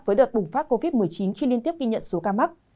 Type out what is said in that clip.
với đợt bùng phát covid một mươi chín khi liên tiếp ghi nhận số ca mắc